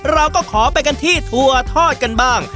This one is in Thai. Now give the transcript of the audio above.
เราก็ขอไปกันที่ถั่วทอดกันบ้าง